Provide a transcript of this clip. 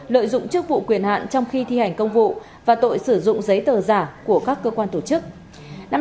lợi dụng chức vụ quyền hạn trong khi thi hành công vụ và tội sử dụng giấy tờ giả của các cơ quan tổ chức